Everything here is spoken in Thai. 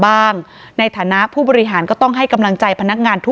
บ้างในฐานะผู้บริหารก็ต้องให้กำลังใจพนักงานทุก